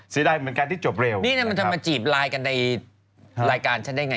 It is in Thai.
สเหมือนการที่จบเร็วนี่จะมาจีบรายกันในรายการฉันได้ไง